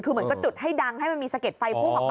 คือเหมือนก็จุดให้ดังให้มันมีสะเด็ดไฟพุ่งออกมา